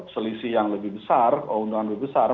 selisih yang lebih besar keuntungan lebih besar